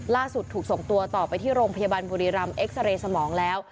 ล่าสุดถูกส่งตัวต่อไปที่โรงพยาบาลบุรีรำเอ็กซาเรย์สมองแล้ว